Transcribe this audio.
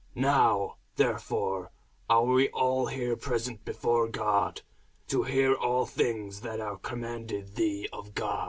Now therefore are we all here present before God, to hear all things that are commanded thee of God.